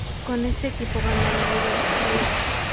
Con este equipo ganó la Liga de su país.